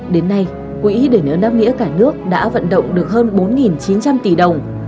đến nay quỹ đền ơn đáp nghĩa cả nước đã vận động được hơn bốn chín trăm linh tỷ đồng